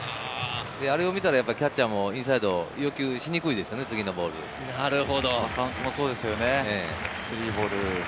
あれを見たらキャッチャーもインサイドを要求しにくいですよね、カウントもそうですよね。